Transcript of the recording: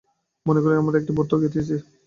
মনে করুন, আমি একটি বোর্ড দেখিতেছি।